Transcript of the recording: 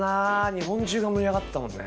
日本中が盛り上がったもんね。